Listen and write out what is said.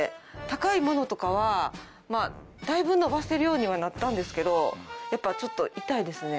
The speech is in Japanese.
高い物とかはまあだいぶ伸ばせるようにはなったんですけどやっぱちょっと痛いですね。